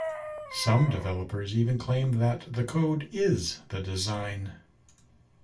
Some developers even claim that "the Code "is" the design".